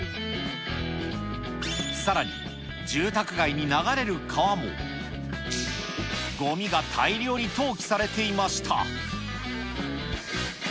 さらに、住宅街に流れる川もごみが大量に投棄されていました。